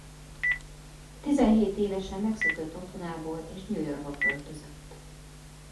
Tizenhét évesen megszökött otthonából és New Yorkba költözött.